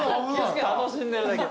楽しんでるだけ。